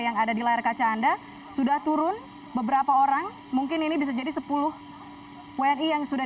yang ada di layar kaca anda sudah turun beberapa orang mungkin ini bisa jadi sepuluh wni yang sudah